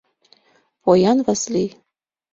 Поян Васлий.